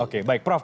oke baik prof